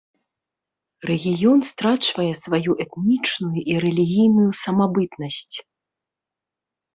Рэгіён страчвае сваю этнічную і рэлігійную самабытнасць.